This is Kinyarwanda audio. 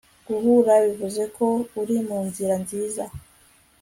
guhura bivuze ko uri mu nzira nziza